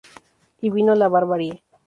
Y vino la barbarie.